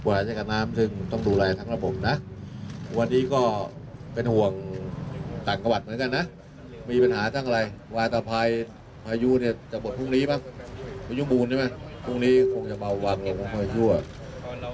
อายุบูลใช่ไหมพรุ่งนี้คงจะเบาหวั่งค่อยกัน